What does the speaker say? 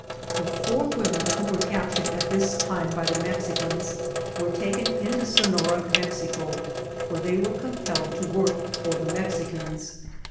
The four women who were captured at this time by the Mexicans were taken into Sonora, Mexico, where they were compelled to work for the Mexicans.